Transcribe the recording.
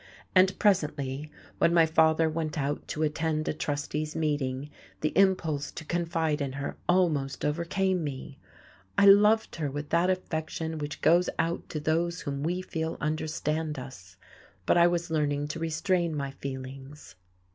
And presently, when my father went out to attend a trustee's meeting, the impulse to confide in her almost overcame me; I loved her with that affection which goes out to those whom we feel understand us, but I was learning to restrain my feelings.